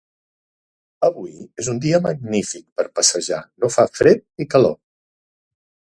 Avui és un dia magnífic per passejar, no fa fred ni calor.